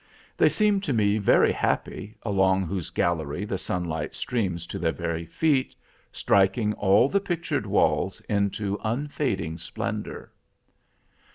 They seem to me very happy along whose gallery the sunlight streams to their very feet, striking all the pictured walls into unfading splendor."